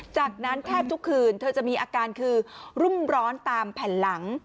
จากนั้นแทบทุกคืนเธอจะมีอาการคือรุ่มร้อนตามแผ่นหลัง